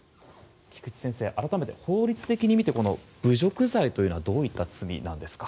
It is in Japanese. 菊地先生、改めて法律的に見てこの侮辱罪というのはどういった罪なんですか。